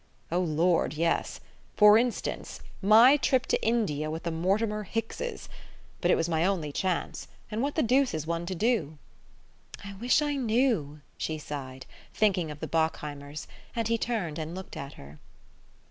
"Oh, Lord, yes. For instance, my trip to India with the Mortimer Hickses. But it was my only chance and what the deuce is one to do?" "I wish I knew!" she sighed, thinking of the Bockheimers; and he turned and looked at her.